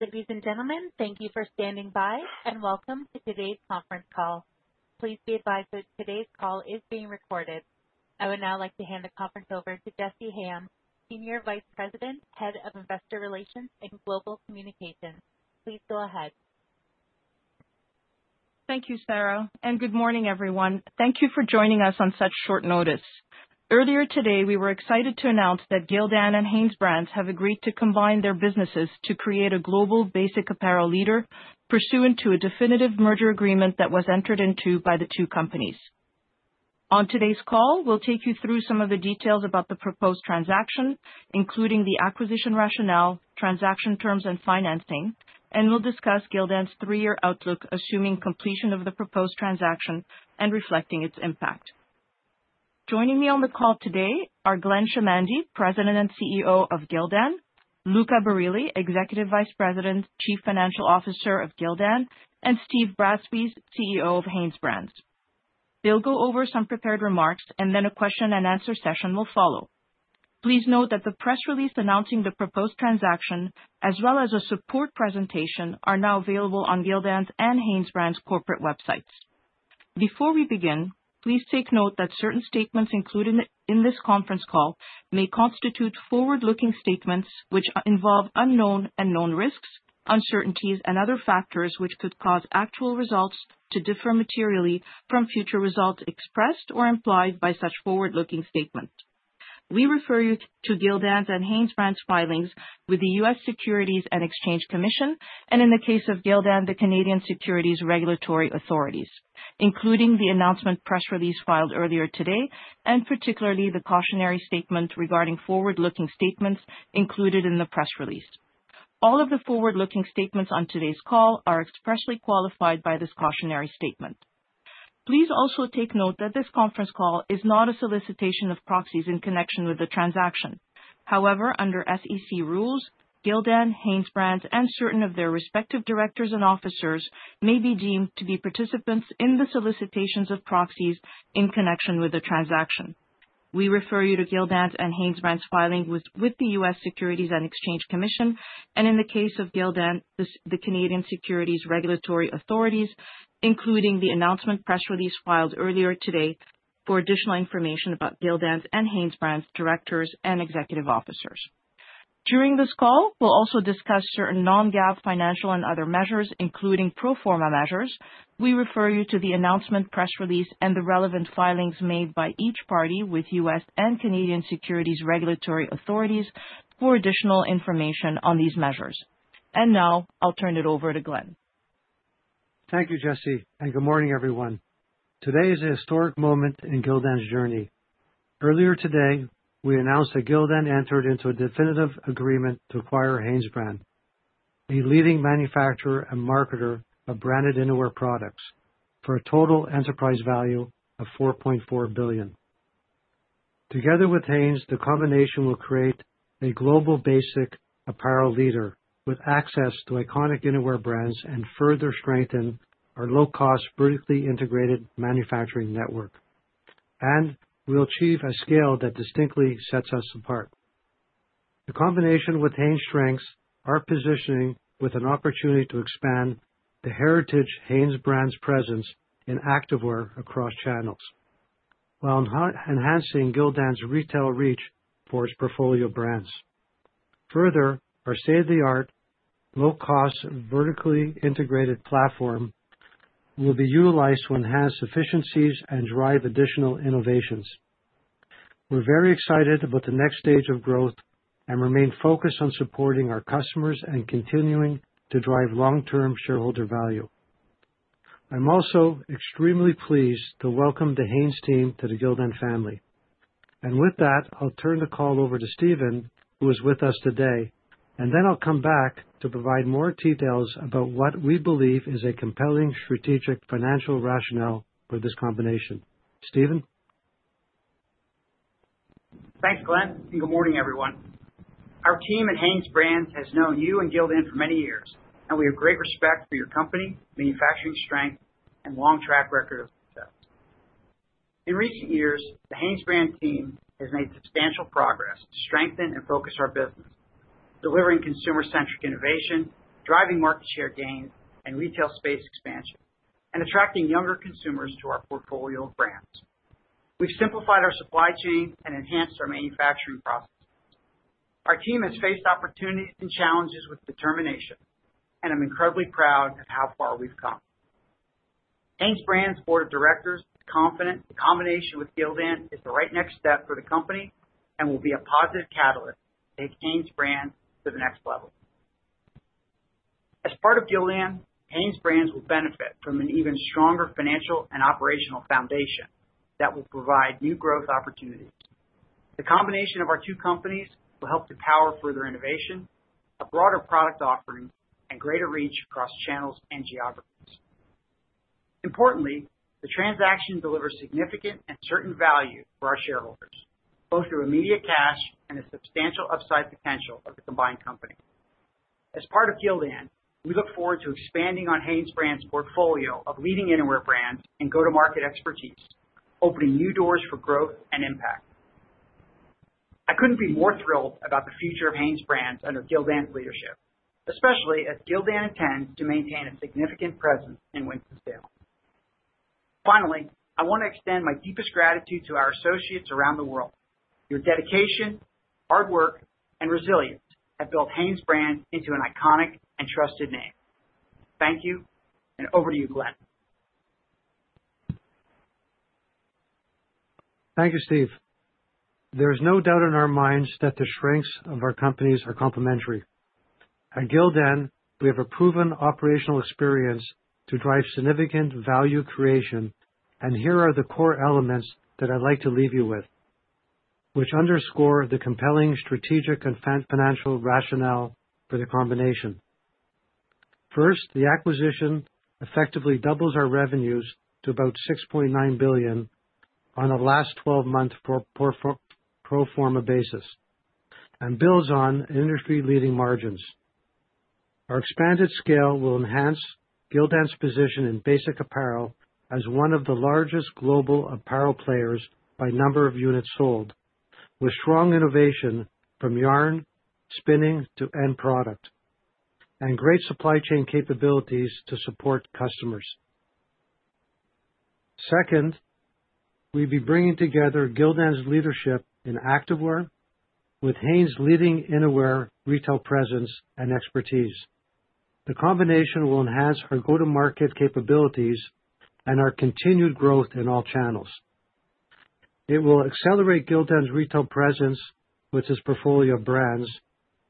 Ladies and gentlemen, thank you for standing by and welcome to today's conference call. Please be advised that today's call is being recorded. I would now like to hand the conference over to Jessy Hayem, Senior Vice President, Head of Investor Relations and Global Communications. Please go ahead. Thank you, Sarah, and good morning, everyone. Thank you for joining us on such short notice. Earlier today, we were excited to announce that Gildan and Hanesbrands have agreed to combine their businesses to create a global basic apparel leader pursuant to a definitive agreement that was entered into by the two companies. On today's call, we'll take you through some of the details about the proposed transaction, including the acquisition rationale, transaction terms, and financing. We'll discuss Gildan's three-year outlook assuming completion of the proposed transaction and reflecting its impact. Joining me on the call today are Glenn Chamandy, President and CEO of Gildan, Luca Barile, Executive Vice President, Chief Financial Officer of Gildan, and Steve Bratspies, CEO of Hanesbrands. We'll go over some prepared remarks, and then a question and answer session will follow. Please note that the press release announcing the proposed transaction, as well as a support presentation, are now available on Gildan's and Hanesbrands' corporate websites. Before we begin, please take note that certain statements included in this conference call may constitute forward-looking statements, which involve unknown and known risks, uncertainties, and other factors which could cause actual results to differ materially from future results expressed or implied by such forward-looking statements. We refer you to Gildan and Hanesbrands' filings with the U.S. Securities and Exchange Commission and, in the case of Gildan, the Canadian Securities Regulatory Authorities, including the announcement press release filed earlier today and particularly the cautionary statement regarding forward-looking statements included in the press release. All of the forward-looking statements on today's call are expressly qualified by this cautionary statement. Please also take note that this conference call is not a solicitation of proxies in connection with the transaction. However, under SEC rules, Gildan, Hanesbrands, and certain of their respective directors and officers may be deemed to be participants in the solicitations of proxies in connection with the transaction. We refer you to Gildan and Hanesbrands' filings with the U.S. Securities and Exchange Commission and, in the case of Gildan, the Canadian Securities Regulatory Authorities, including the announcement press release filed earlier today for additional information about Gildan and Hanesbrands' directors and executive officers. During this call, we'll also discuss certain non-GAAP financial and other measures, including pro forma measures. We refer you to the announcement press release and the relevant filings made by each party with U.S. and Canadian Securities Regulatory Authorities for additional information on these measures. Now I'll turn it over to Glenn. Thank you, Jessy, and good morning everyone. Today is a historic moment in Gildan's journey. Earlier today we announced that Gildan entered into a definitive agreement to acquire Hanesbrands, a leading manufacturer and marketer of branded Innerwear products, for a total Enterprise Value of $4.4 billion. Together with Hanes, the combination will create a global basic apparel leader with access to iconic Innerwear brands and further strengthen our low-cost, vertically integrated manufacturing network, and we'll achieve a scale that distinctly sets us apart. The combination with Hanes strengthens our positioning with an opportunity to expand the heritage Hanes brand's presence in Activewear across channels while enhancing Gildan's retail reach for its portfolio brands. Further, our state-of-the-art, low-cost, vertically integrated platform will be utilized to enhance efficiencies and drive additional innovations. We're very excited about the next stage of growth and remain focused on supporting our customers and continuing to drive long-term shareholder value. I'm also extremely pleased to welcome the Hanes team to the Gildan family. With that, I'll turn the call over to Stephen, who is with us today, and then I'll come back to provide more details about what we believe is a compelling strategic financial rationale for this combination. Stephen. Thanks Glenn and good morning everyone. Our team at Hanesbrands has known you and Gildan for many years and we have great respect for your company, manufacturing strength, and long track record of success. In recent years, the Hanesbrands team has made substantial progress to strengthen and focus our business, delivering consumer-centric innovation, driving market share gain and retail space expansion, and attracting younger consumers to our portfolio of brands. We've simplified our supply chain and enhanced our manufacturing process. Our team has faced opportunities and challenges with determination and I'm incredibly proud of. How far we've come. Hanesbrands' Board of Directors is confident the combination with Gildan is the right next step for the company and will be a positive catalyst to help Hanesbrands to the next level. As part of Gildan, Hanesbrands will benefit from an even stronger financial and operational foundation that will provide new growth opportunities. The combination of our two companies will help to power further innovation, a broader product offering, and greater reach across channels and geographies. Importantly, the transaction delivers significant and certain value for our shareholders both through immediate cash and the substantial upside potential of the combined company. As part of Gildan, we look forward to expanding on Hanesbrands' portfolio of leading Innerwear brands and go-to-market expertise, opening new doors for growth and impact. I couldn't be more thrilled about the future of Hanesbrands under Gildan's leadership, especially as Gildan intends to maintain a significant presence in Winston-Salem. Finally, I want to extend my deepest gratitude to our associates around the world. Your dedication, hard work, and resilience have built Hanesbrands into an iconic and trusted name. Thank you. And over to you, Glenn. Thank you, Steve. There is no doubt in our minds that the strengths of our companies are complementary. At Gildan, we have a proven operational experience to drive significant value creation, and here are the core elements that I'd like to leave you with which underscore the compelling strategic and financial rationale for the combination. First, the acquisition effectively doubles our revenues to about $6.9 billion on the last 12 months pro forma basis and builds on industry-leading margins. Our expanded scale will enhance Gildan's position in basic apparel as one of the largest global apparel players by number of units sold, with strong innovation from yarn spinning to end product and great supply chain capabilities to support customers. Second, we'll be bringing together Gildan's leadership in Activewear with Hanes' leading Innerwear retail presence and expertise. The combination will enhance our go-to-market capabilities and our continued growth in all channels. It will accelerate Gildan's retail presence with its portfolio of brands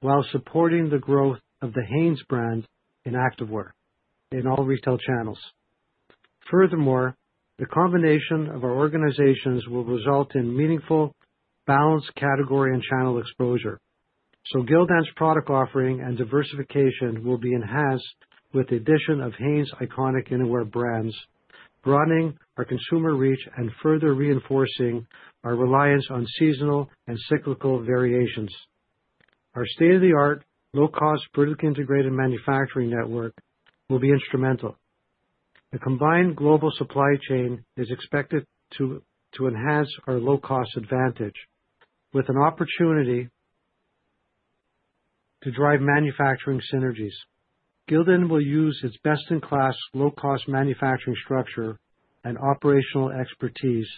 while supporting the growth of the Hanes brand in Activewear in all retail channels. Furthermore, the combination of our organizations will result in meaningful, balanced category and channel exposure. Gildan's product offering and diversification will be enhanced with the addition of Hanes' iconic Innerwear brands, broadening our consumer reach and further reinforcing our resilience on seasonal and cyclical variations. Our state-of-the-art, low-cost, vertically integrated manufacturing network will be instrumental. The combined global supply chain is expected to enhance our low-cost advantage with an opportunity to drive manufacturing synergies. Gildan will use its best-in-class, low-cost manufacturing structure and operational expertise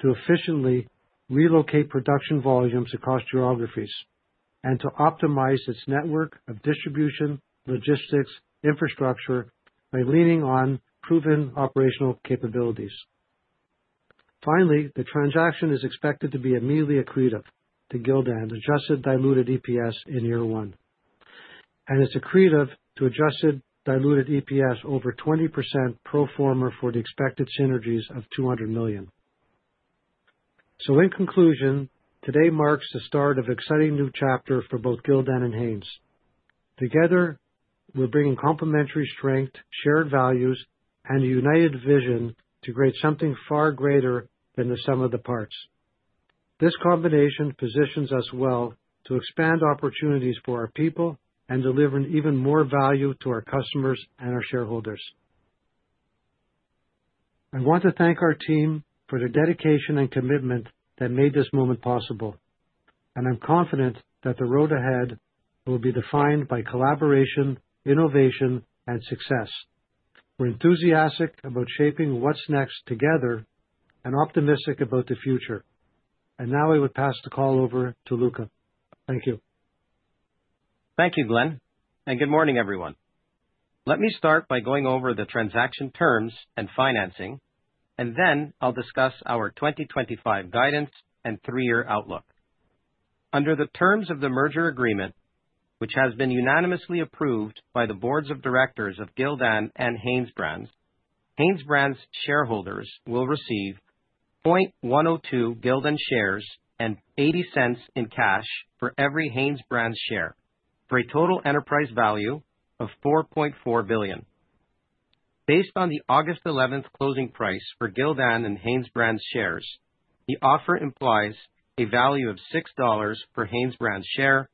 to efficiently relocate production volumes across geographies and to optimize its network of distribution logistics infrastructure by leaning on proven operational capabilities. Finally, the transaction is expected to be immediately accretive to Gildan Adjusted Diluted EPS in year one, and it's accretive to Adjusted Diluted EPS over 20% pro forma for the expected synergies of $200 million. In conclusion, today marks the start of an exciting new chapter for both Gildan and Hanes. Together, we're bringing complementary strength, shared values, and a united vision to create something far greater than the sum of the parts. This combination positions us well to expand opportunities for our people and deliver even more value to our customers and our shareholders. I want to thank our team for their dedication and commitment that made this moment possible, and I'm confident that the road ahead will be defined by collaboration, innovation, and success. We're enthusiastic about shaping what's next together and optimistic about the future. Now I would pass the call over to Luca. Thank you. Thank you Glenn and good morning everyone. Let me start by going over the transaction terms and financing, and then I'll discuss our 2025 guidance and three year outlook. Under the terms of the merger agreement, which has been unanimously approved by the Boards of Directors of Gildan and Hanesbrands, Hanesbrands shareholders will receive 0.102 Gildan shares and $0.80 in cash for every Hanesbrands share for a total Enterprise Value of $4.4 billion. Based on the August 11 closing price for Gildan and Hanesbrands shares, the offer implies a value of $6 for Hanesbrands share,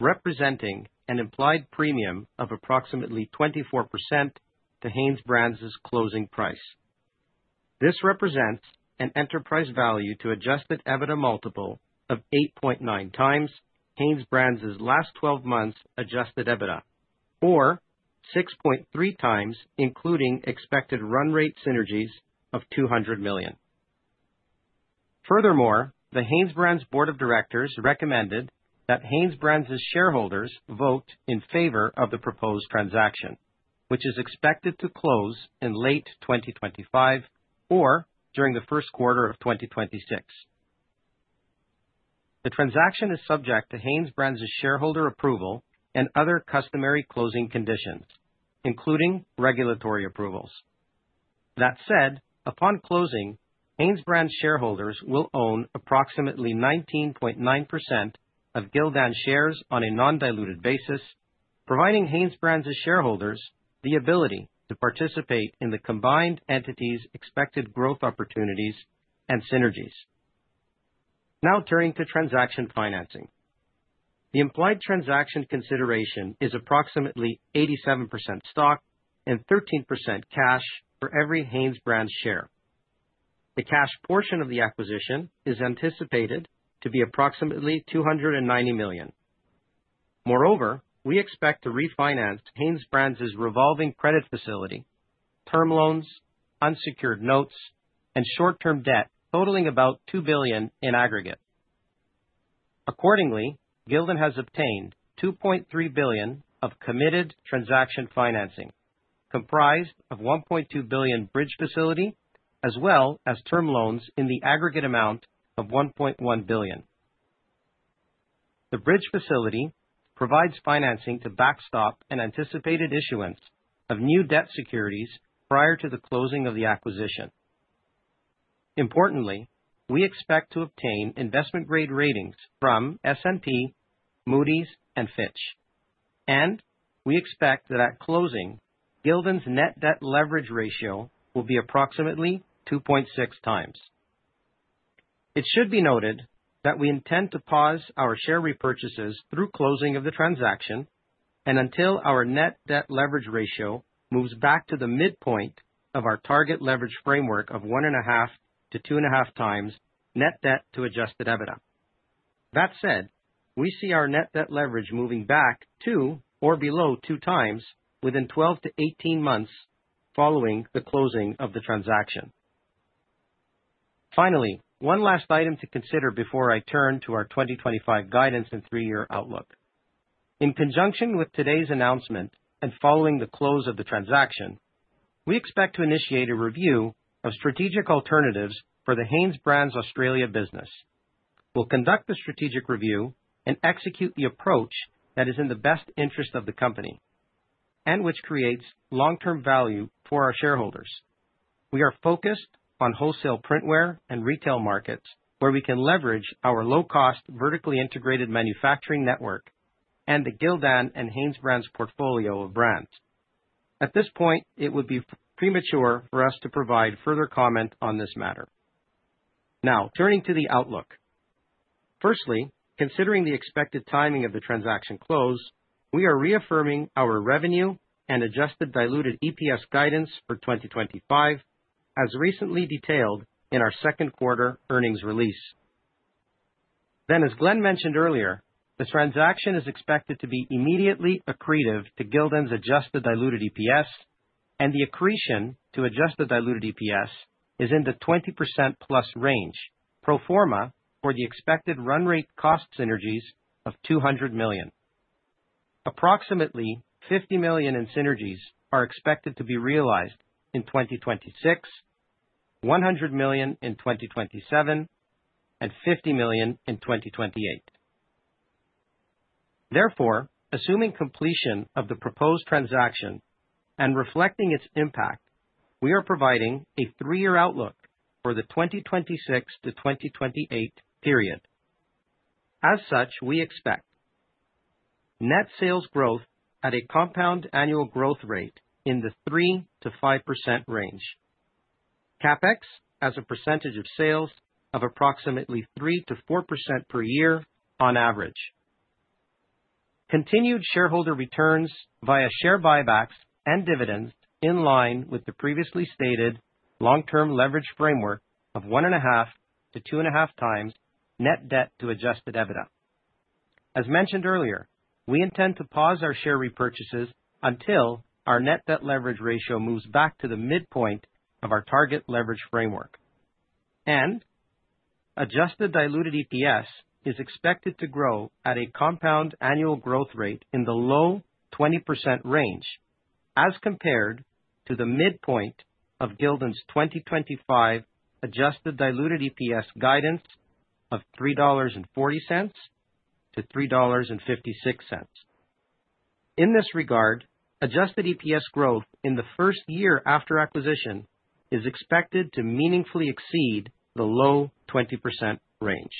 representing an implied premium of approximately 24% to Hanesbrands closing price. This represents an Enterprise Value to Adjusted EBITDA multiple of 8.9 times Hanesbrands last 12 months Adjusted EBITDA or 6.3 times, including expected run rate synergies of $200 million. Furthermore, the Hanesbrands Board of Directors recommended that Hanesbrands shareholders vote in favor of the proposed transaction, which is expected to close in late 2025 or during the first quarter of 2026. The transaction is subject to Hanesbrands shareholder approval and other customary closing conditions, including regulatory approvals. That said, upon closing, Hanesbrands shareholders will own approximately 19.9% of Gildan shares on a non-diluted basis, providing Hanesbrands shareholders the ability to participate in the combined entity's expected growth opportunities and synergies. Now turning to transaction financing, the implied transaction consideration is approximately 87% stock and 13% cash for every Hanesbrands share. The cash portion of the acquisition is anticipated to be approximately $290 million. Moreover, we expect to refinance Hanesbrands revolving credit facility, term loans, unsecured notes, and short term debt totaling about $2 billion in aggregate. Accordingly, Gildan has obtained $2.3 billion of committed transaction financing comprised of a $1.2 billion bridge facility as well as term loans in the aggregate amount of $1.1 billion. The bridge facility provides financing to backstop an anticipated issuance of new debt securities prior to the closing of the acquisition. Importantly, we expect to obtain investment grade ratings from S&P, Moody's, and Fitch, and we expect that at closing Gildan's net debt leverage ratio will be approximately 2.6 times. It should be noted that we intend to pause our share repurchases through closing of the transaction and until our net debt leverage ratio moves back to the midpoint of our target leverage framework of 1.5 to 2.5 times net debt to Adjusted EBITDA. That said, we see our net debt leverage moving back to or below 2 times within 12 to 18 months following the closing of the transaction. Finally, one last item to consider before I turn to our 2025 guidance and three-year outlook. In conjunction with today's announcement and following the close of the transaction, we expect to initiate a review of strategic alternatives for the Hanesbrands Australia business. We'll conduct the strategic review and execute the approach that is in the best interest of the company and which creates long-term value for our shareholders. We are focused on wholesale Printwear and retail markets where we can leverage our low-cost vertically integrated manufacturing network and the Gildan and Hanesbrands portfolio of brands. At this point, it would be premature for us to provide further comment on this matter. Now turning to the outlook. Firstly, considering the expected timing of the transaction close, we are reaffirming our revenue and Adjusted Diluted EPS guidance for 2025 as recently detailed in our second quarter earnings release. As Glenn mentioned earlier, the transaction is expected to be immediately accretive to Gildan's Adjusted Diluted EPS, and the accretion to Adjusted Diluted EPS is in the 20%+ range pro forma for the expected run rate cost synergies of $200 million. Approximately $50 million in synergies are expected to be realized in 2026, $100 million in 2027, and $50 million in 2028. Therefore, assuming completion of the proposed transaction and reflecting its impact, we are providing a three-year outlook for the 2026-2028 period. As such, we expect net sales growth at a compound annual growth rate in the 3%-5% range, CapEx as a percentage of sales of approximately 3%-4% per year on average, and continued shareholder returns via share buybacks and dividends in line with the previously stated long-term leverage framework of 1.5-2.5 times net debt to Adjusted EBITDA. As mentioned earlier, we intend to pause our share repurchases until our net debt leverage ratio moves back to the midpoint of our target leverage framework. Adjusted Diluted EPS is expected to grow at a compound annual growth rate in the low 20% range as compared to the midpoint of Gildan's 2025 Adjusted Diluted EPS guidance of $3.40-$3.56. In this regard, adjusted EPS growth in the first year after acquisition is expected to meaningfully exceed the low 20% range.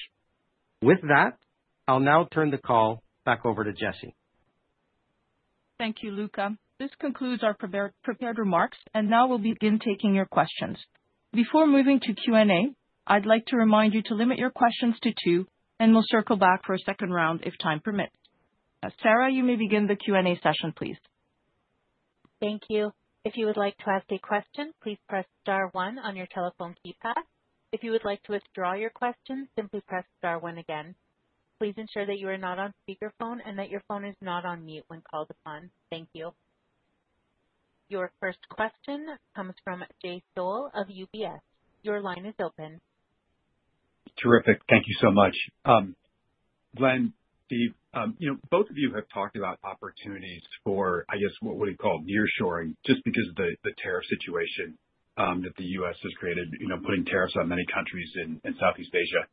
With that, I'll now turn the call back over to Jessy. Thank you, Luca. This concludes our prepared remarks. Now we'll begin taking your questions. Before moving to Q&A, I'd like to remind you to limit your questions to two, and we'll circle back for a second round if time permits. Sarah, you may begin the Q&A session. Please. Thank you. If you would like to ask a question, please press star one on your telephone keypad. If you would like to withdraw your question, simply press star one again. Please ensure that you are not on. speakerphone and that your phone is not on mute when called upon. Thank you. Your first question comes from Jay Sole of UBS. Your line is open. Terrific. Thank you so much, Glenn. Steve, you know, both of you have talked about opportunities for, I guess, what would you call nearshoring, just because of the tariff situation that the U.S. has created, you know, putting tariffs on many countries in Southeast Asia.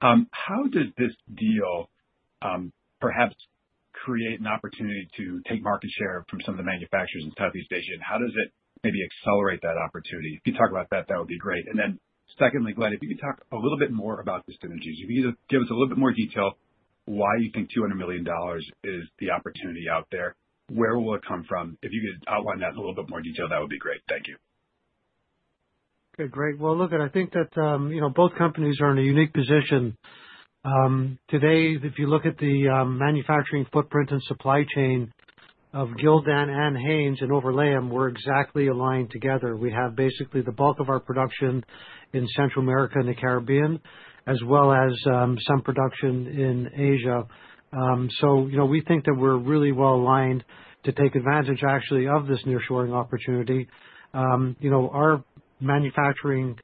How did this deal perhaps create an opportunity to take market share from some of the manufacturers in Southeast Asia, and how does it maybe accelerate that opportunity? If you talk about that, that would be great. Secondly, Glenn, if you could. Talk a little bit more about the synergies. If you could give us a little bit more detail why you think $200 million is the opportunity out there, where will it come from? If you could outline that in a little bit more detail, that would be great. Thank you. Okay, great. I think that, you know, both companies are in a unique position today. If you look at the manufacturing footprint and supply chain of Gildan and Hanes and overlay them, we're exactly aligned. Together we have basically the bulk of our production in Central America and the Caribbean, as well as some production in Asia. You know, we think that we're really well aligned to take advantage actually of this nearshoring opportunity. Our manufacturing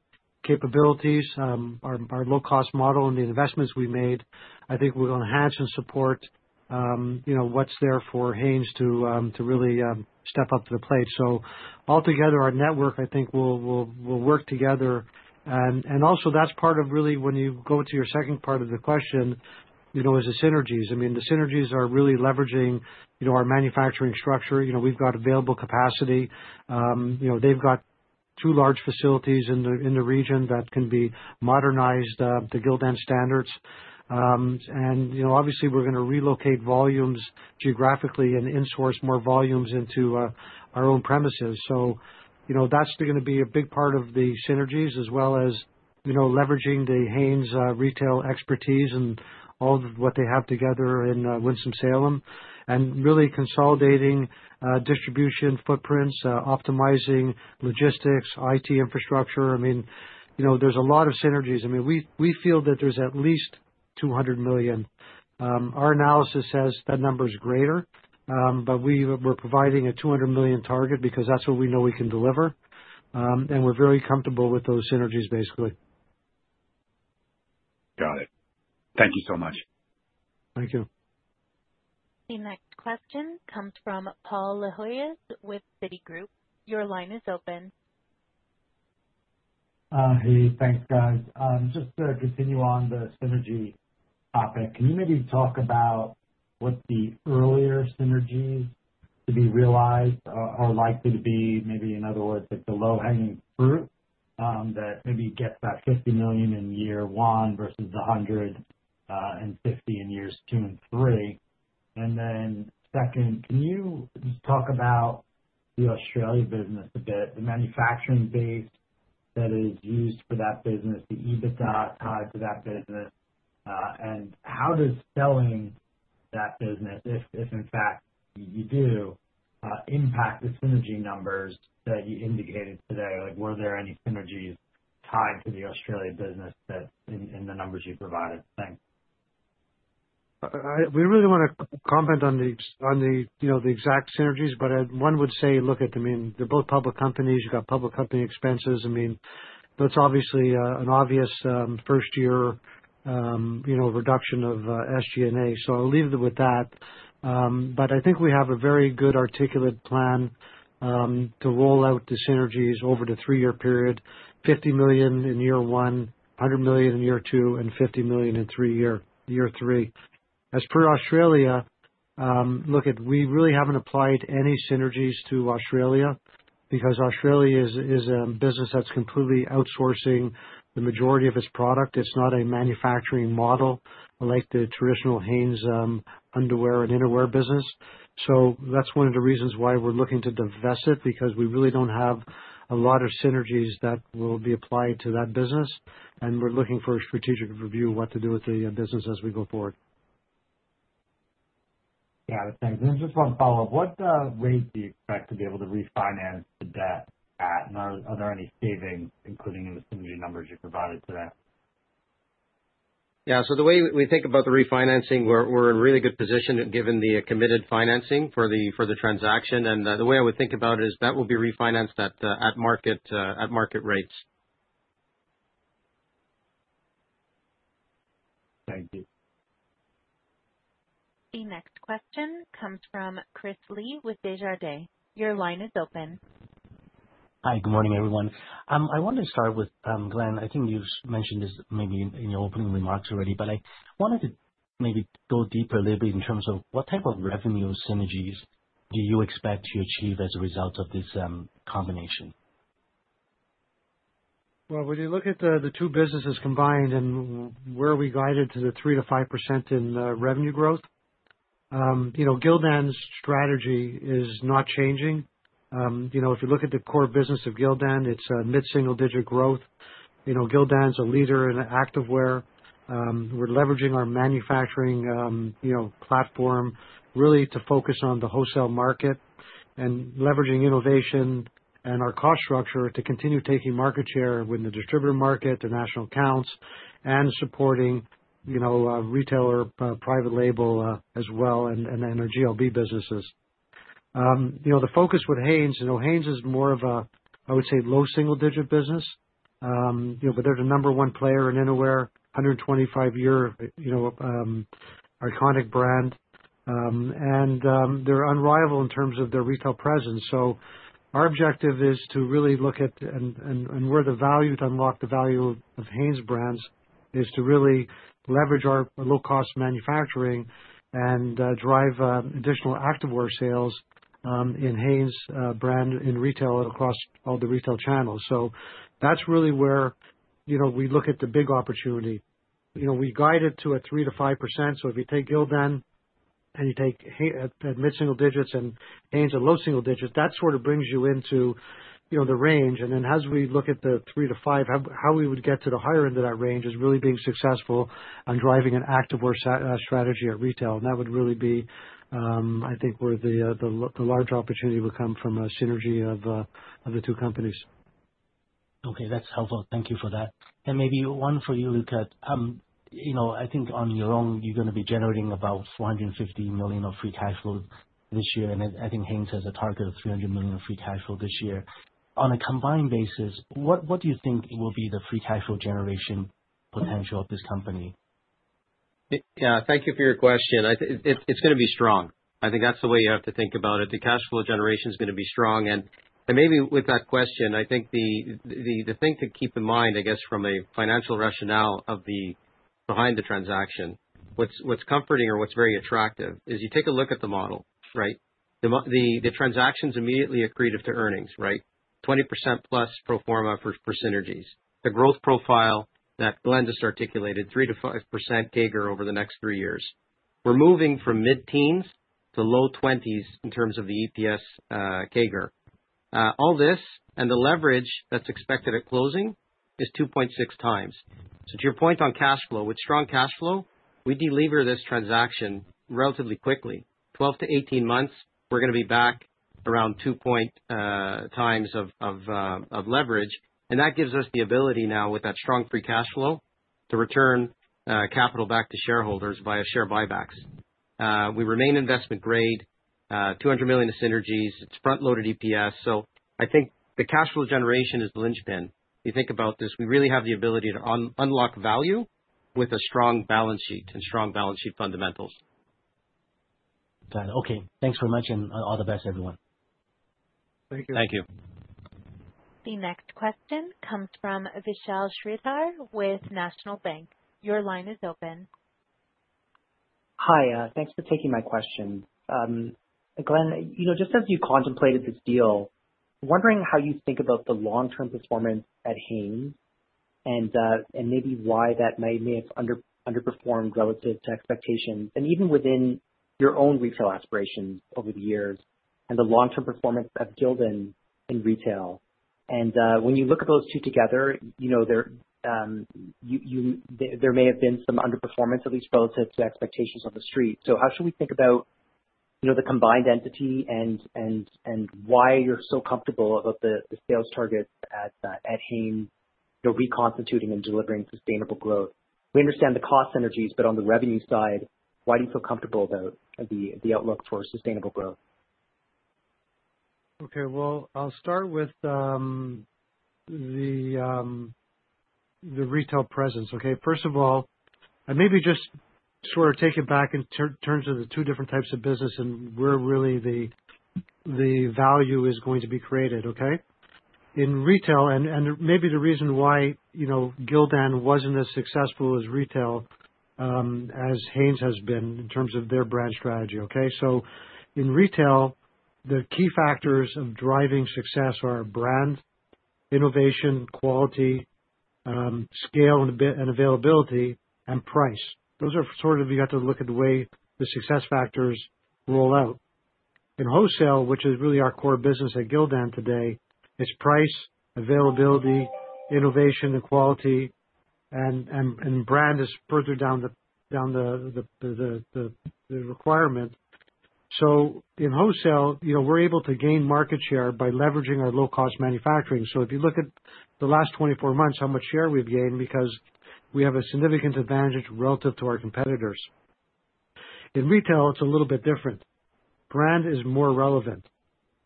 capabilities, our low cost model and the investments we made, I think are going to enhance and support what's there for Hanes to really step up to the plate. Altogether, our network, I think, will work together. Also, that's part of, really when you go to your second part of the question, is the synergies. I mean, the synergies are really leveraging our manufacturing structure. We've got available capacity, they've got two large facilities in the region that can be modernized to Gildan standards and obviously we're going to relocate volumes geographically and in source more volumes into our own premises. That's going to be a big part of the synergies as well as leveraging the Hanes retail expertise and all what they have together in Winston-Salem and really consolidating distribution footprints, optimizing logistics, IT infrastructure. There's a lot of synergies. We feel that there's at least $200 million. Our analysis says that number is greater, but we are providing a $200 million target because that's what we know we can deliver and we're very comfortable with those synergies basically. Got it. Thank you so much. Thank you. The next question comes from Paul Lejuez with Citigroup. Your line is open. Hey, thanks guys. Just to continue on the synergy topic, can you maybe talk about what the earlier synergies to be realized are likely to be? Maybe in other words the low hanging fruit that maybe get that $50 million in year one versus $150 million in years two and three. Second, can you just talk about the Australia business a bit? The manufacturing base that is used for that business, the EBITDA tied to that business, and how does selling that business, if in fact you do, impact the synergy numbers that you indicated today? Were there any synergies tied to the Australia business in the numbers you provided? Thanks. We really want to comment on the exact synergies, but one would say look at them in they're both public companies. You've got public company expenses. I mean, that's obviously an obvious first year, you know, reduction of SG&A. I'll leave it with that. I think we have a very good articulate plan to roll out the synergies over the three-year period: $50 million in year one, $100 million in year two, and $50 million in year three as per Australia. We really haven't applied any synergies to Australia because Australia is a business that's completely outsourcing the majority of its product. It's not a manufacturing, traditional Hanes underwear and Innerwear business. That's one of the reasons why we're looking to divest it, because we really don't have a lot of synergies that will be applied to that business. We're looking for a strategic review of what to do with the business as we go forward. Yeah, thanks. Just one follow up. What rate do you expect to be able to refinance the debt at? Are there any savings, including in the synergy numbers you provided today? Yeah. The way we think about the refinancing, we're in really good position given the committed financing for the transaction. The way I would think about it is that will be refinanced at market rates. Thank you. The next question comes from Chris Li with Desjardins. Your line is open. Hi. Good morning, everyone. I want to start with Glenn. I think you've mentioned this maybe in your opening remarks already, but I wanted to maybe go deeper a little bit in terms of what type of revenue synergies do you expect to achieve as a result of this combination? When you look at the two businesses combined and where we are guided to the 3%-5% in revenue growth, Gildan's strategy is not changing. If you look at the core business of Gildan, it's mid single digit growth. Gildan's a leader in Activewear. We're leveraging our manufacturing platform really to focus on the wholesale market and leveraging innovation and our cost structure to continue taking market share within the distributor market, international accounts, and supporting retailer private label as well and our GLB businesses. The focus with Hanes, Hanes is more of a, I would say, low single digit business, but they're the number one player in Innerwear, 125 year iconic brand, and they're unrivaled in terms of their retail presence. Our objective is to really look at and where the value, to unlock the value of Hanesbrands, is to really leverage our low cost manufacturing and drive additional Activewear sales in Hanes brand in retail and across all the retail channels. That's really where we look at the big opportunity. We guide it to a 3%-5%. If you take Gildan and you take at mid single digits and Hanes at low single digits, that sort of brings you into the ranges we look at the 3-5, how we would get to the higher end of that range is really being successful on driving an Activewear strategy at retail. That would really be, I think, where the large opportunity will come from, a synergy of the two companies. Okay, that's helpful. Thank you for that. Maybe one for you, Luca. I think on your own. You're going to be generating about $450 million of free cash flow this year. I think Hanes has a target of $300 million of free cash flow this year. On a combined basis, what do you think will be the free cash flow? Generation potential of this company? Yeah, thank you for your question. It's going to be strong. I think that's the way you have to think about it. The cash flow generation is going to be strong. Maybe with that question, I think the thing to keep in mind, I guess from a financial rationale behind the transaction, what's comforting or what's very attractive is you take a look at the model. The transaction is immediately accretive to earnings, 20%+ pro forma for synergies. The growth profile that Glenn just articulated, 3% to 5% compound annual net sales growth rate. Over the next three years we're moving from mid-teens to low twenties in terms of the EPS CAGR. All this and the leverage that's expected at closing is 2.6 times. To your point on cash flow, with strong cash flow, we deliver this transaction relatively quickly. In 12 to 18 months, we're going to be back around 2.x times of leverage. That gives us the ability now with that strong free cash flow to return capital back to shareholders via share repurchases. We remain investment grade. $200 million of synergies. It's front loaded EPS. I think the cash flow generation is the linchpin you think about this. We really have the ability to unlock value with a strong balance sheet and strong balance sheet fundamentals. Okay, thanks for mentioning. All the best, everyone. Thank you. Thank you. The next question comes from Vishal Shreedhar with National Bank. Your line is open. Hi, thanks for taking my question, Glenn. You know, just as you contemplated this deal, wondering how you think about the long term performance at Hanes and maybe why that may have underperformed relative to expectations and even within your own retail aspirations over the years and the long term performance of Gildan in retail and when you look at those two together, you know. There may have been. some underperformance at least relative to expectations on the street. How should we think about the combined entity and why you're so comfortable about the sales target at Hanes reconstituting and delivering sustainable growth? We understand the cost synergies, but on the revenue side, why do you feel comfortable about the outlook for sustainable growth? Okay, I'll start with the retail presence. First of all, maybe just sort of take it back in terms of the two different types of business and where really the value is going to be created in retail. Maybe the reason why Gildan wasn't as successful at retail as Hanes has been in terms of their brand strategy. In retail, the key factors of driving success are brand, innovation, quality, scale and availability, and price. You have to look at the way the success factors roll out. In wholesale, which is really our core business at Gildan today, it's price, availability, innovation, and quality, and brand is further down the requirement. In wholesale, we're able to gain market share by leveraging our low-cost manufacturing. If you look at the last 24 months, how much share we've gained because we have a significant advantage relative to our competitors. In retail, it's a little bit different. Brand is more relevant,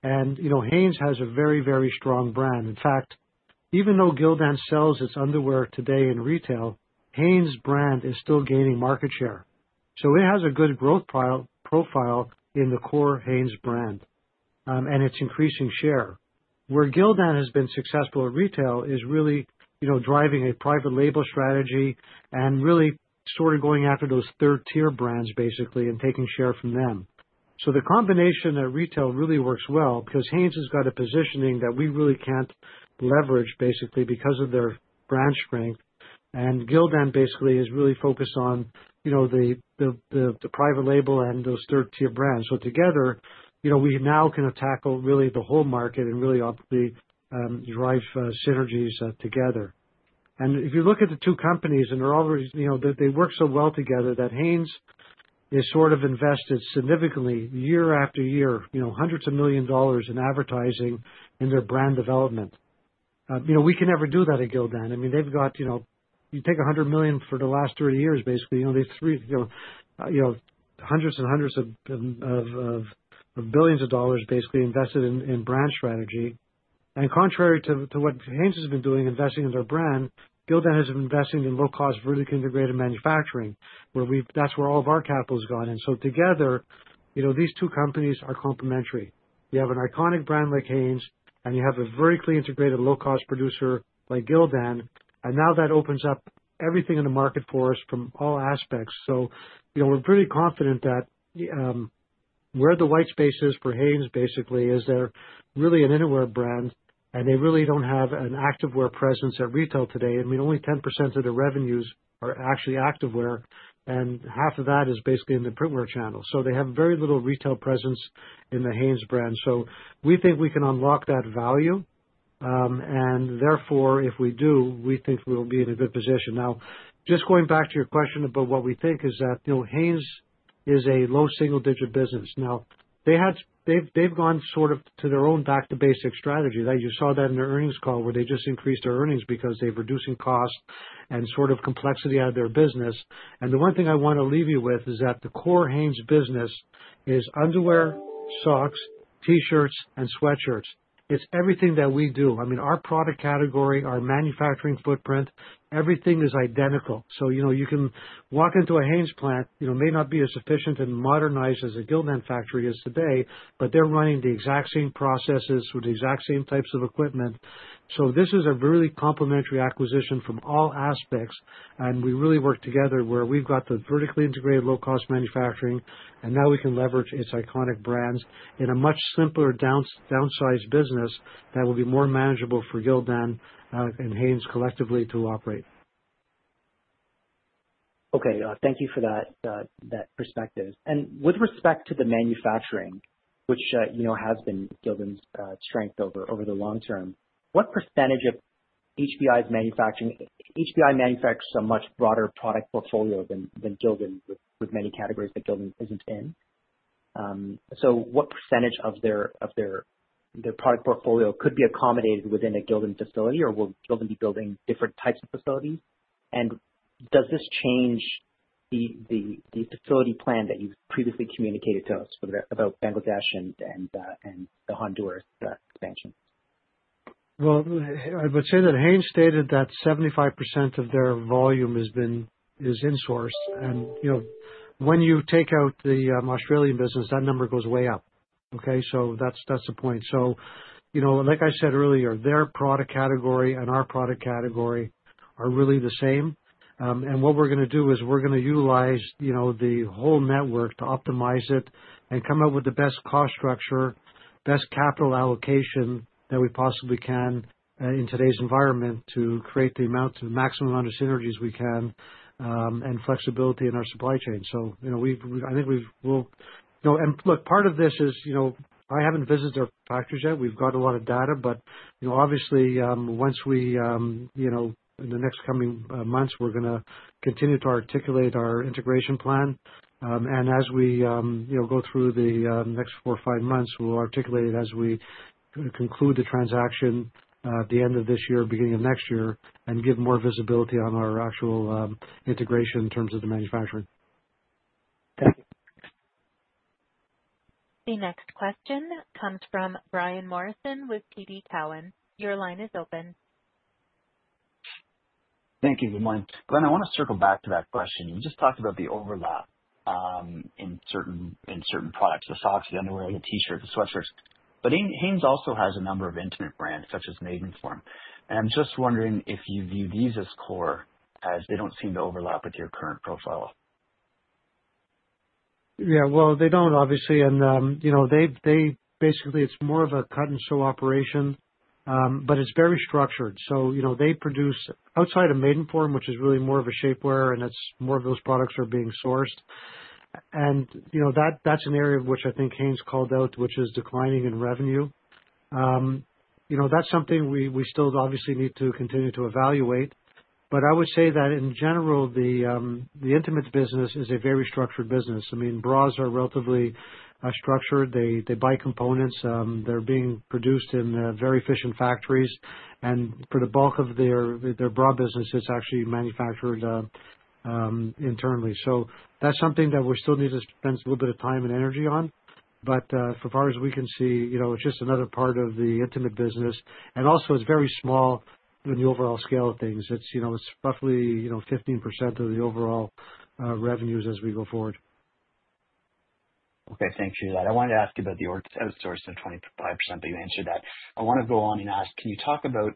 and Hanes has a very, very strong brand. In fact, even though Gildan sells its underwear today in retail, Hanes brand is still gaining market share. It has a good growth profile in the core Hanes brand, and it's increasing share. Where Gildan has been successful at retail is really driving a private label strategy and really sort of going after those third-tier brands and taking share from them. The combination at retail really works well because Hanes has got a positioning that we really can't leverage because of their brand strength. Gildan is really focused on the private label and those third-tier brands. Together, we now can attack really the whole market and really drive synergies together. If you look at the two companies, they already work so well together that Hanes has invested significantly year after year, hundreds of millions of dollars in advertising and their brand development. We can never do that at Gildan. They've got, you take $100 million for the last 30 years, basically, hundreds and hundreds of millions of dollars invested in brand strategy. Contrary to what Hanes has been doing investing in their brand, Gildan has been investing in low-cost, vertically integrated manufacturing where that's where all of our capital has gone in. Together, you know, these two companies are complementary. You have an iconic brand like Hanes and you have a very clean, integrated, low cost producer like Gildan, and now that opens up everything in the market for us from all aspects. We're pretty confident that where the white space is for Hanes basically is they're really an Innerwear brand and they really don't have an Activewear presence at retail today. Only 10% of the revenues are actually Activewear and half of that is basically in the Printwear channel. They have very little retail presence in the Hanes brand. We think we can unlock that value and therefore if we do, we think we'll be in a good position. Now just going back to your question about what we think is that, you know, Hanes is a low single digit business. They had, they've gone sort of to their own Back to Basics Strategy that you saw in the earnings call where they just increased their earnings because they're reducing cost and sort of complexity out of their business. The one thing I want to leave you with is that the core Hanes business is underwear, socks, T-shirts, and sweatshirts. It's everything that we do. Our product category, our manufacturing footprint, everything is identical. You can walk into a Hanes plant, it may not be as efficient and modernized as a Gildan factory is today, but they're running the exact same processes with the exact same types of equipment. This is a really complementary acquisition from all aspects and we really work together where we've got the vertically integrated, low cost manufacturing and now we can leverage its iconic brands in a much simpler downsized business that will be more manageable for Gildan and Hanes collectively to operate. Okay, thank you for that perspective. With respect to the manufacturing which has been Gildan's strength over the long term, what percentage of HBI manufacturing? HBI manufactures a much broader product portfolio than Gildan with many categories that Gildan isn't in. What percentage of their product portfolio could be accommodated within a Gildan facility? Will Gildan be building different types of facilities? Does this change the facility plan that you've previously communicated to us about Bangladesh and the Honduras expansion? I would say that Hanes stated that 75% of their volume is in source, and when you take out the Australian business, that number goes way up. That's the point. Like I said earlier, their product category and our product category are really the same. What we're going to do is utilize the whole network to optimize it and come up with the best cost structure, best capital allocation that we possibly can in today's environment to create the maximum amount of synergies we can and flexibility in our supply chain. I think we will, and look, part of this is, I haven't visited our factories yet. We've got a lot of data. Obviously, once we, in the next coming months, we're going to continue to articulate our integration plan. As we go through the next four or five months, we'll articulate it as we conclude the transaction at the end of this year, beginning of next year, and give more visibility on our actual integration in terms of the manufacturing. Thank you. The next question comes from Brian Morrison with TD Cowen. Your line is open. Thank you. Good morning, Glenn. I want to circle back to that question you just talked about. The overlap in certain products, the socks, the underwear, the T-shirt, the sweatshirts. Hanes also has a number of intimate brands such as Maidenform. I'm just wondering if you view these as core as they don't seem to overlap with your current profile. Yeah, they don't obviously. You know, they basically, it's more of a cut and sew operation, but it's very structured. You know, they produce outside of Maidenform, which is really more of a shapewear, and that's more of those products are being sourced. That's an area which I think Hanes called out, which is declining in revenue. That's something we still obviously need to continue to evaluate. I would say that in general, the intimates business is a very structured business. I mean, bras are relatively structured. They buy components, they're being in very efficient factories, and for the bulk of their bra business, it's actually manufactured internally. That's something that we still need to spend a little bit of time and energy on. As far as we can see, it's just another part of the intimates business. Also, it's very small in the overall scale of things. It's roughly 15% of the overall revenues as we go forward. Okay, thank you. I wanted to ask you about the outsourcing. 25%, but you answered that. I want to go on and ask, can you talk about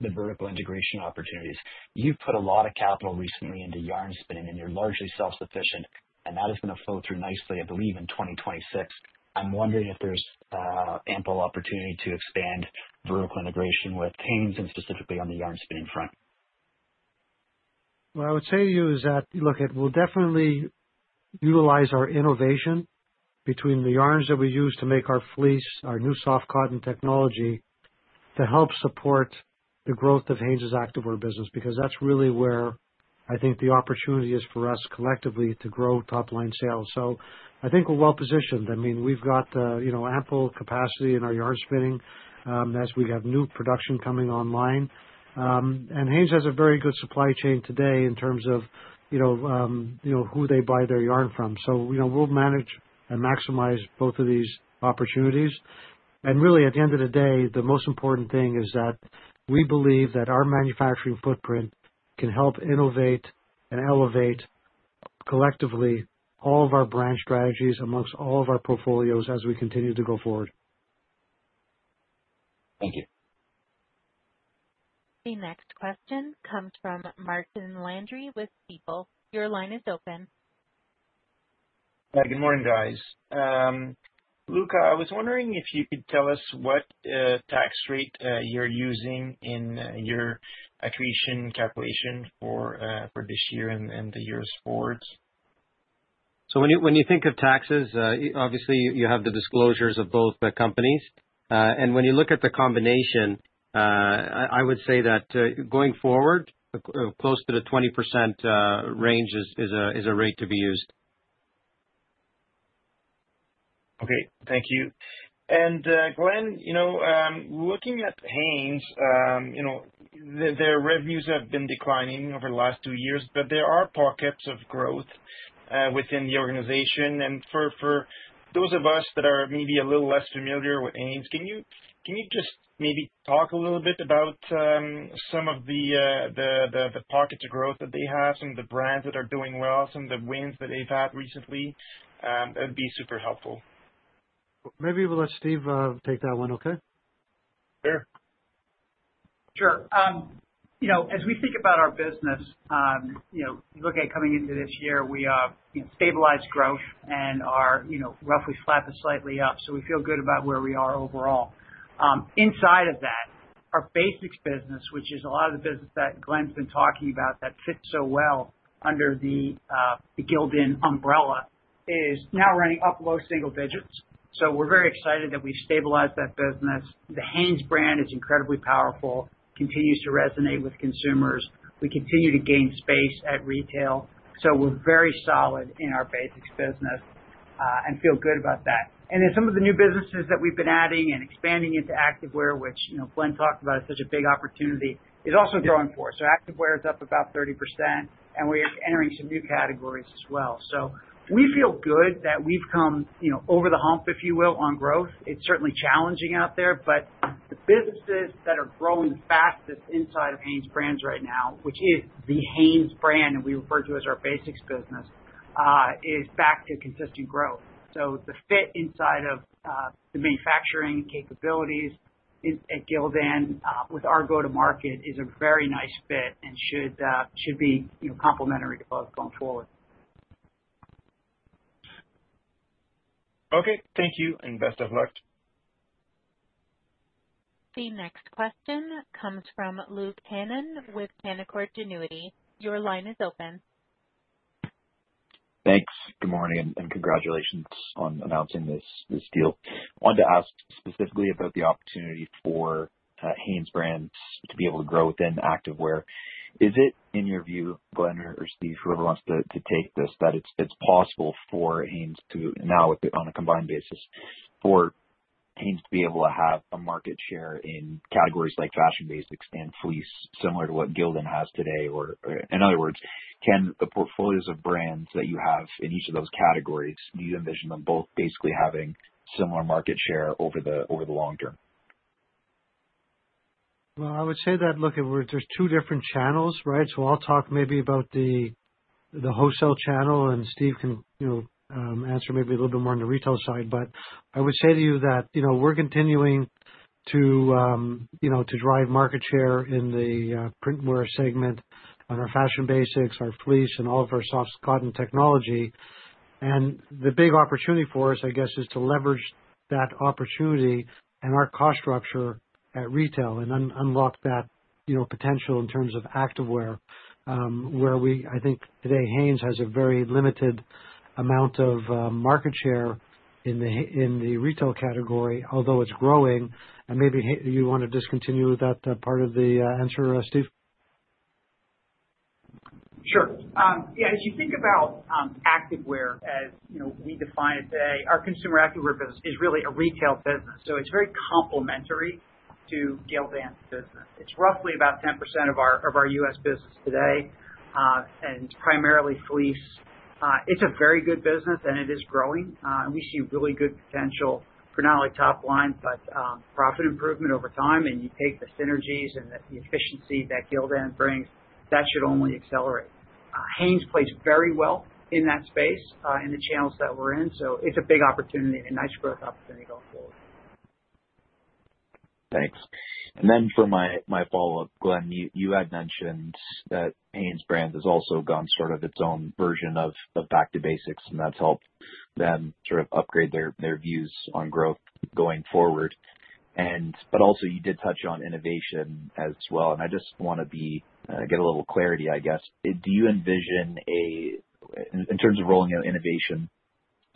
the vertical integration opportunities? You've put a lot of capital recently into yarn spinning and you're largely self-sufficient and that is going to flow through nicely, I believe in 2026. I'm wondering if there's ample opportunity to expand vertical integration with Hanes and specifically on the yarn spinning front. What I would say to you is that, look, it will definitely utilize our innovation between the yarns that we use to make our Fleece, our new Soft Cotton Technology to help support the growth of Hanes Activewear business. Because that's really where I think the opportunity is for us collectively to grow top line sales. I think we're well positioned. We've got ample capacity in our yarn spinning as we have new production coming online. Hanes has a very good supply chain today in terms of who they buy their yarn from. We'll manage and maximize both of these opportunities. At the end of the day, the most important thing is that we believe that our manufacturing footprint can help innovate and elevate collectively all of our brand stratgies amongst all of our portfolios as we continue to go forward. Thank you. The next question comes from Martin Landry with Stifel. Your line is open. Good morning, guys. Luca, I was wondering if you could tell us what tax rate you're using in your accretion calculation for this year and the years forward. When you think of taxes, obviously you have the disclosures of both companies, and when you look at the combination, I would say that going forward, close to the 20% range is a rate to be used. Okay, thank you. Glenn, looking at Hanes, their revenues have been declining over the last two years, but there are pockets of growth within the organization. For those of us that are maybe a little less familiar with Hanes, can you just maybe talk a little bit about some of the pockets of growth that they have? Some of the brands that are doing well, some of the wins that they've had recently, that'd be super helpful. Maybe we'll let Steve take that one. Okay. Yeah, sure. As we think about our business, look at coming into this year, we stabilized growth and are roughly flat, is slightly up. We feel good about where we are. Are overall inside of that. Our basics business, which is a lot of the business that Glenn's been talking about that fits so well under the Gildan umbrella, is now running up low single digits. We are very excited that we stabilized that business. The Hanes brand is incredibly powerful, continues to resonate with consumers. We continue to gain space at retail. We are very solid in our basics business and feel good about that. Some of the new businesses that we've been adding and expanding into Activewear, which, you know, Glenn talked about is such a big opportunity, is also growing for us. Activewear is up about 30% and we're entering some new categories as well. We feel good that we've come, you know, over the hump, if you will, on growth. It's certainly challenging out there, but the businesses that are growing fastest inside of Hanes brand right now, which is the Hanes brand and we refer to as our basics business, is back to consistent growth. The fit inside of the manufacturing capabilities at Gildan with our go to market is a very nice fit and should be complementary to both going forward. Okay, thank you and best of luck. The next question comes from Luke Hannan with Canaccord Genuity. Your line is open. Thanks. Good morning and congratulations on announcing this deal. I wanted to ask specifically about the opportunity for Hanesbrands to be able to grow within Activewear. Is it, in your view, Glenn or Steve, whoever wants to take this, that it's possible for Hanes to now, on a combined basis, for Hanes to be able to have a market share in categories like Fashion Basics and Fleece similar to what Gildan has today? In other words, can the portfolio of brands that you have in each of those categories, do you envision them both basically having similar market share over the long term? There are two different channels, right? I'll talk maybe about the wholesale channel and Steve can answer maybe a little bit more on the retail side. I would say to you that we're continuing to drive market share in the Printwear segment on our Fashion Basics, our Fleece, and all of our soft cotton. The big opportunity for us, I guess, is to leverage that opportunity and our cost structure at retail and unlock that potential in terms of Activewear where we, I think today, Hanes has a very limited amount of market share in the retail category, although it's growing. Maybe you want to continue that part of the answer, Steve. Sure, yeah. As you think about Activewear as we define it today, our consumer Activewear business is really a retail business. It is very complementary to Gildan business. It's roughly about 10% of our U.S. business today and primarily Fleece. It's a very good business and it is growing and we see really good potential for not only top line, but profit improvement over time. You take the synergies and the efficiency that Gildan brings, that should only accelerate. Hanes plays very well in that space in the channels that we're in. It's a big opportunity, a nice. Growth opportunity going forward. Thanks. For my follow up, Glenn, you had mentioned that Hanesbrands has also gone through its own version of Back to Basics and that's helped them upgrade their views on growth going forward. You did touch on innovation as well. I just want to get a little clarity, I guess. Do you envision, in terms of rolling out innovation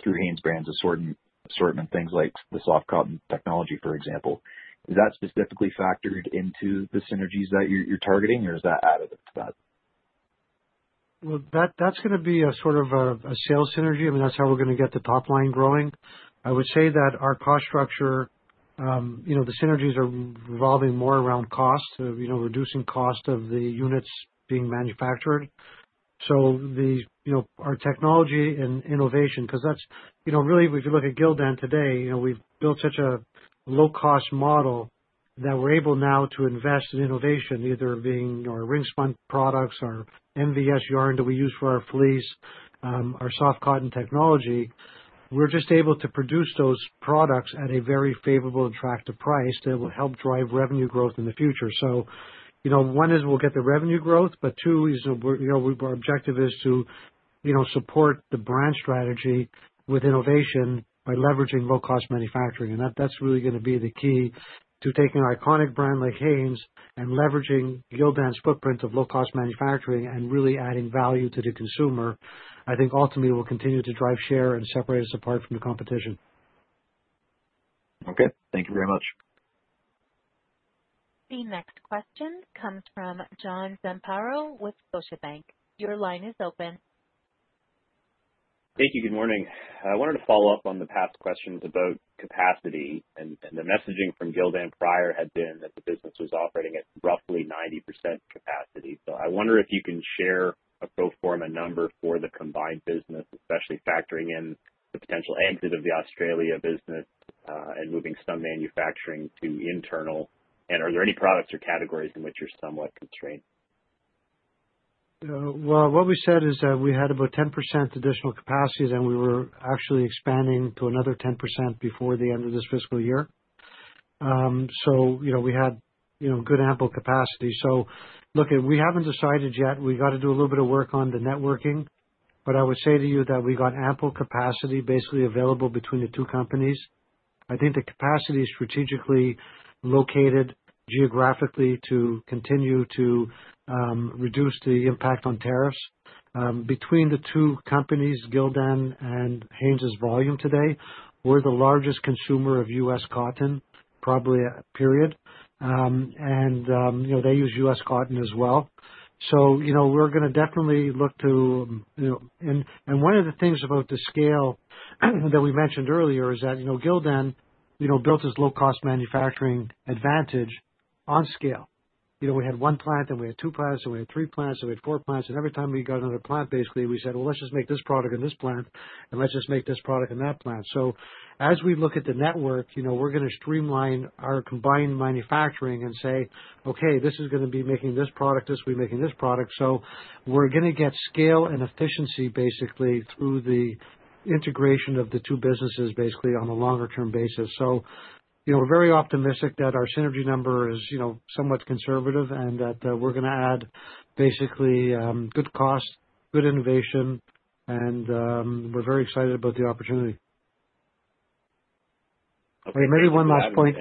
through Hanesbrands' assortment, things like the Soft Cotton Technology, for example, is that specifically factored into the synergies that you're targeting or is that added? That is going to be a sort of a sales synergy. I mean that's how we're going to get the top line growing. I would say that our cost structure, you know, the synergies are revolving more around cost, you know, reducing cost of the units being manufactured. Our technology and innovation, because that's, you know, really if you look at Gildan today, you know we've built such a low cost model that we're able now to invest in innovation, either being our ring spun products or MVS Yarn that we use for our Fleece, our Soft Cotton Technology, we're just able to produce those products at a very favorable, attractive price that will help drive revenue growth in the future. One is we'll get the revenue growth, but two, our objective is to support the brand strategy with innovation by leveraging low cost manufacturing. That's really going to be the key to taking an iconic brand like Hanes and leveraging Gildan footprint of low cost manufacturing and really adding value to the consumer. I think ultimately we'll continue to drive share and separate us apart from the competition. Okay, thank you very much. The next question comes from John Zamparo with Scotiabank. Your line is open. Thank you. Good morning. I wanted to follow up on the past questions about capacity and the messaging from Gildan prior had been that the business was operating at roughly 90% capacity. I wonder if you can share a pro forma number for the combined business, especially factoring in the potential exit of the Australia business and moving some manufacturing to internal. Are there any products or categories in which you're somewhat constrained? What we said is that we had about 10% additional capacity. Then we were actually expanding to another 10% before the end of this fiscal year. You know, we had good ample capacity. We haven't decided yet. We got to do a little bit of work on the networking. I would say to you that we got ample capacity basically available between the two companies. I think the capacity is strategically located geographically to continue to reduce the impact on tariffs between the two companies. Gildan and Hanes volume. Today we're the largest consumer of US Cotton probably, period. They use US Cotton as well. We're going to definitely look to, you know, and one of the things about the scale that we mentioned earlier is that Gildan built its low cost manufacturing advantage on scale. We had one plant and we had two plants and we had three plants. We had four plants. Every time we got another plant, basically we said, let's just make this product in this plant and let's just make this product in that plant. As we look at the network, we're going to streamline our combined manufacturing and say, okay, this is going to be making this product, this will be making this product. We're to get scale and efficiency basically through the integration of the two businesses basically on a longer term basis. Very optimistic that our synergy number is somewhat conservative and that we're going to add basically good cost, good innovation and we're very excited about the opportunity. Maybe one last point.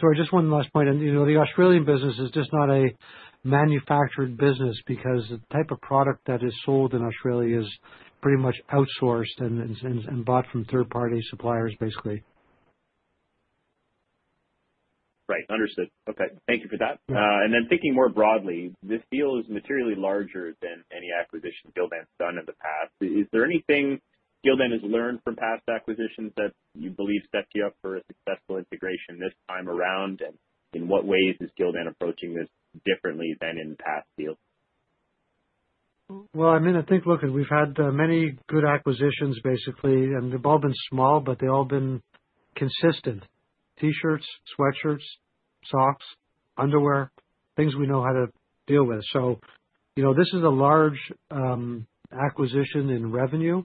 Sorry, just one last point. The Australian business is just not a manufactured business because the type of product that is sold in Australia is pretty much outsourced and bought from third party suppliers basically. Right, understood. Okay, thank you for that. Thinking more broadly, this deal is materially larger than any acquisition Gildan has done in the past. Is there anything Gildan has learned from past acquisitions that you believe sets you up for a successful integration this time around? In what ways is Gildan approaching this differently than in past deals? I think, look, we've had many good acquisitions basically and they've all been small, but they've all been consistent. T-shirts, sweatshirts, socks, underwear, things we know how to deal with. This is a large acquisition in revenue,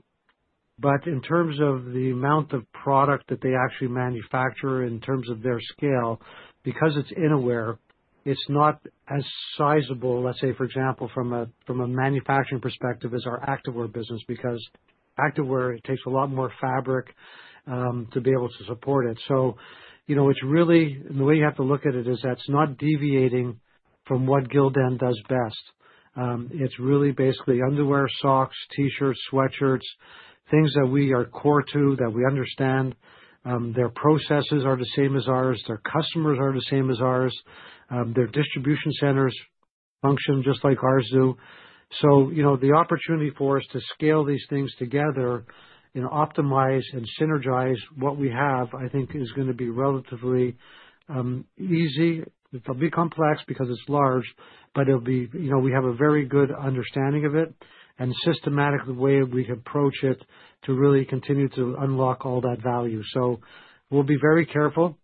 but in terms of the amount of product that they actually manufacture, in terms of their scale, because it's Innerwear, it's not as sizable, let's say for example from a manufacturing perspective as our Activewear business, because Activewear takes a lot more fabric to be able to support it. It's really the way you have to look at it, that's not deviating from what Gildan does best. It's really basically underwear, socks, T-shirts, sweatshirts, things that we are core to, that we understand. Their processes are the same as ours, their customers are the same as ours, their distribution centers function just like ours do. The opportunity for us to scale these things together, optimize and synergize what we have, I think is going to be relatively easy. It'll be complex because it's large, but we have a very good understanding of it and systematic the way we approach it to really continue to unlock all that value. We'll be very careful.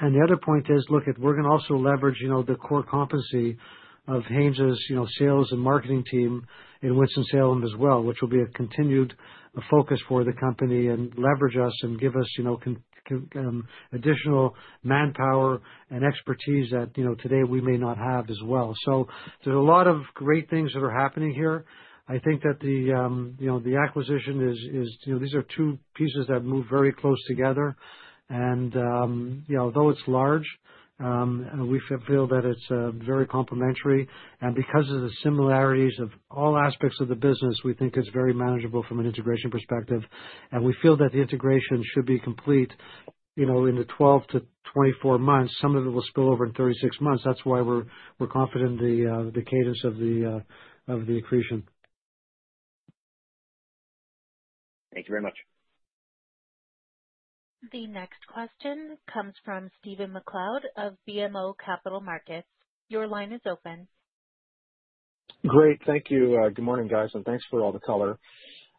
The other point is, look at, we're going to also leverage the core competency of Hanes sales and marketing team in Winston-Salem as well, which will be a continued focus for the company and leverage us and give us additional manpower and expertise that, you know, today we may not have as well. There's a lot of great things that are happening here. I think that the acquisition is, you know, these are two pieces that move very close together. Though it's large and we feel that it's very complementary and because of the similarities of all aspects of the business, we think it's very manageable from an integration perspective. We feel that the integration should be complete in the 12 to 24 months. Some of it will spill over in 36 months. That's why we're confident the cadence of the accretion. Thank you very much. The next question comes from Stephen MacLeod of BMO Capital Markets. Your line is open. Great, thank you. Good morning, guys, and thanks for all the color.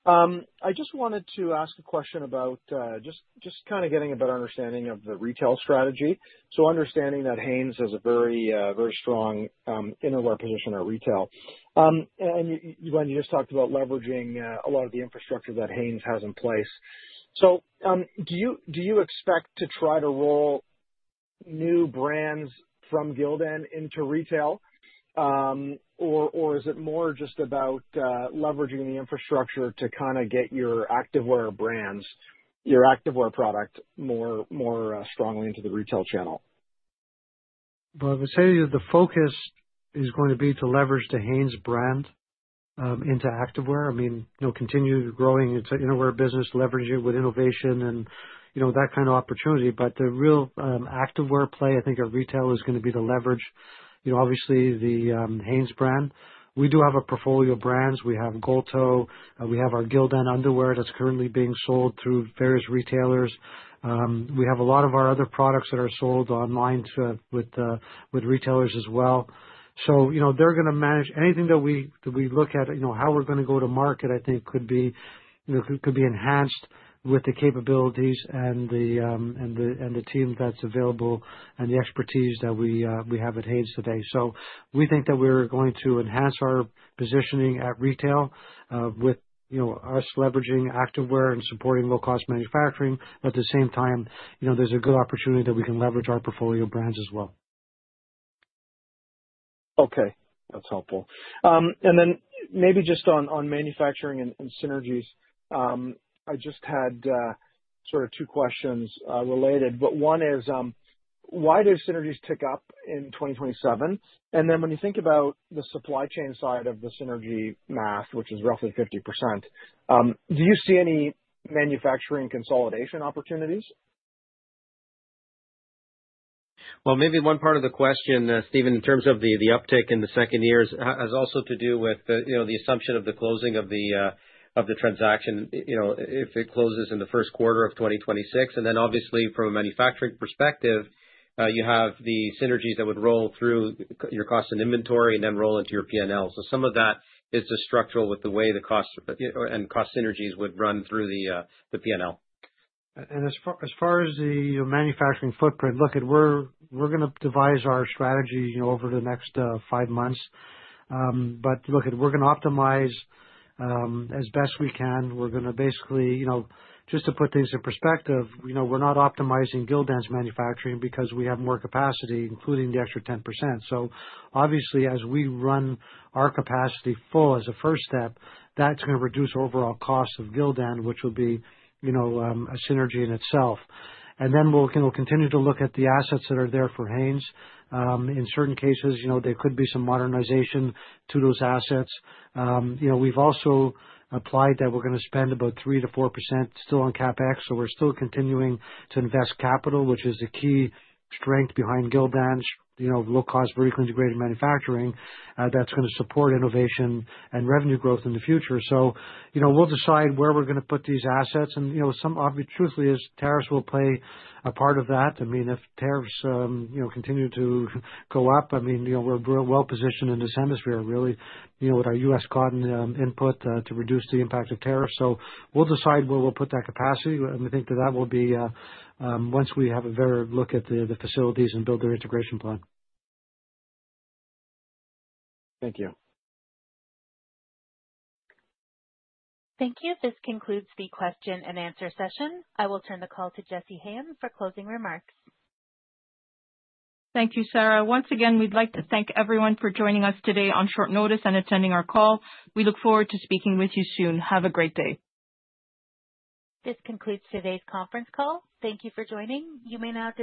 I just wanted to ask a question about just kind of getting a better understanding of the retail strategy. Understanding that Hanes has a very, very strong Innerwear position at retail. When you just talked about leveraging the infrastructure that Hanes has in place. You do. Do you expect to try to roll new brands from Gildan into retail, or is it more just about leveraging the infrastructure to kind of get your Activewear brands, your Activewear product more strongly into the retail channel? I would say that the focus is going to be to leverage the Hanes brand into Activewear. I mean, continue growing into Innerwear business, leveraging with innovation and that kind of opportunity. The real Activewear play, I think, at retail is going to be the leverage. Obviously, the Hanes brand, we do have a portfolio of brands. We have Gold Toe, we have our Gildan underwear that's currently being sold through various retailers. We have a lot of our other products that are sold online with retailers as well. They're going to manage anything that we look at, you know, how we're going to go to market. I think it could be enhanced with the capabilities and the team that's available and the expertise that we have at Hanes today. We think that we're going to enhance our positioning at retail with us leveraging Activewear and supporting low cost manufacturing at the same time. There's a good opportunity that we can leverage our portfolio brands as well. Okay, that's helpful. Maybe just on manufacturing and synergies, I just had two questions related, but one is why do synergies tick up in 2027? When you think about the supply chain side of the synergy math, which is roughly 50%, do you see any manufacturing consolidation opportunities? Maybe one part of the question, Stephen, in terms of the uptick in the second years, has also to do with the assumption of the closing of the transaction if it closes in the first quarter of 2026. Obviously, from a manufacturing perspective, you have the synergies that would roll through your cost and inventory and then roll into your P&L. Some of that is structural with the way the costs and cost synergies would run through the P&L. As far as the manufacturing footprint, look at, we're going to devise our strategy over the next five months. We're going to optimize as best we can. Basically, just to put things in perspective, we're not optimizing Gildan's manufacturing because we have more capacity including the extra 10%. Obviously, as we run our capacity full as a first step, that's going to reduce overall cost of Gildan, which will be, you know, a synergy in itself. We'll continue to look at the assets that are there for Hanes in certain cases. There could be some modernization to those assets. We've also applied that we're going to spend about 3%-4% still on CapEx. We're still continuing to invest capital, which is the key strength behind Gildan's low-cost vertically integrated manufacturing that's going to support innovation and revenue growth in the future. We'll decide where we're going to put these assets. Some obvious, truthfully, is tariffs will play a part of that. I mean, if tariffs continue to go up, we're well positioned in this hemisphere, really, with our US Cotton input to reduce the impact of tariffs. We'll decide where we'll put that capacity, and I think that will be once we have a better look at the facilities and build their integration plan. Thank you. Thank you. This concludes the question and answer session. I will turn the call to Jessy Hayem for closing remarks. Thank you, Sarah. Once again, we'd like to thank everyone for joining us today on short notice and attending our call. We look forward to speaking with you soon. Have a great day. This concludes today's conference call. Thank you for joining. You may now disconnect.